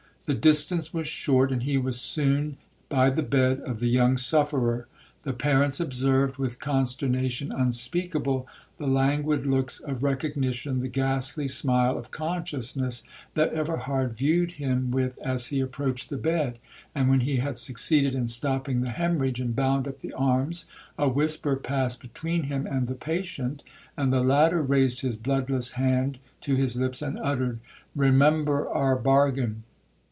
The distance was short, and he was soon by the bed of the young sufferer. The parents observed, with consternation unspeakable, the languid looks of recognition, the ghastly smile of consciousness, that Everhard viewed him with, as he approached the bed; and when he had succeeded in stopping the hæmorrhage, and bound up the arms, a whisper passed between him and the patient, and the latter raised his bloodless hand to his lips, and uttered, 'Remember our bargain.'